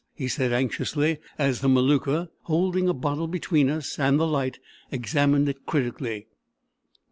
he said anxiously, as the Maluka, holding a bottle between us and the light, examined it critically.